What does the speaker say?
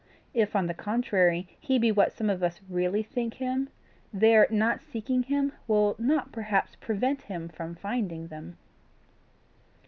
If, on the contrary, he be what some of us really think him, their not seeking him will not perhaps prevent him from finding them.